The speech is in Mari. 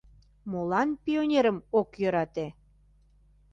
«Молан пионерым ок йӧрате?